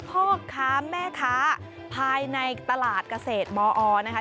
พ่อค้าแม่ค้าภายในตลาดเกษตรบอนะคะ